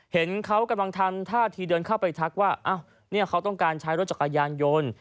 เห็นเขากำลังทำท่าทีเดินเข้าไปทักว่าเขาต้องการใช้รถจักรยานยนต์